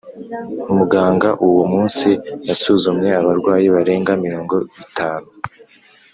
muganga uwo munsi yasuzumye abarwayi barenga mirongo itanu.